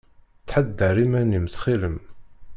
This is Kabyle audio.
Ttḥadar iman-im, ttxil-m!